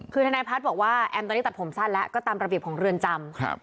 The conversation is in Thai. คือทนายพัฒน์บอกว่าแอมตอนนี้ตัดผมสั้นแล้วก็ตามระเบียบของเรือนจำ